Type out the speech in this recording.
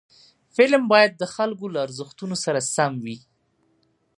فلم باید د خلکو له ارزښتونو سره سم وي